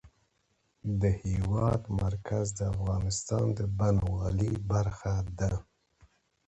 د هېواد مرکز د افغانستان د بڼوالۍ برخه ده.